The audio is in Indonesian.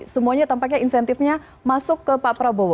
semuanya tampaknya insentifnya masuk ke pak prabowo